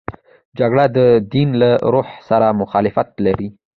جګړه د دین له روح سره مخالفت لري